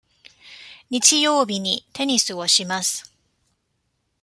日曜日にテニスをします。